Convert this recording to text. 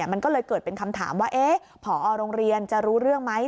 มันก็เลยเกิดเป็นคำถามว่าผอโรงเรียนจะรู้เรื่องไหม